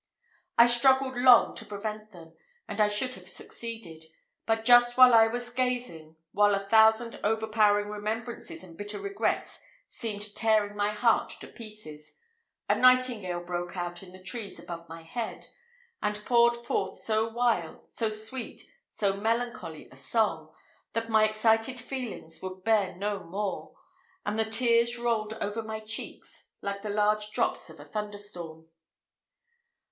I struggled long to prevent them, and I should have succeeded; but just while I was gazing while a thousand overpowering remembrances and bitter regrets seemed tearing my heart to pieces, a nightingale broke out in the trees above my head, and poured forth so wild, so sweet, so melancholy a song, that my excited feelings would bear no more, and the tears rolled over my cheeks like the large drops of a thunder storm.